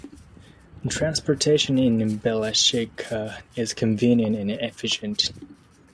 Transportation in Balashikha is convenient and efficient.